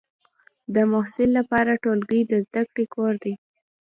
د محصل لپاره ټولګی د زده کړې کور دی.